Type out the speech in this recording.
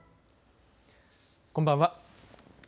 こんばんは。